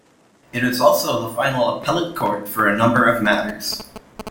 It is also the final appellate court for a number of matters.